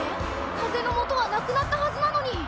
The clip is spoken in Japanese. かぜのもとはなくなったはずなのに。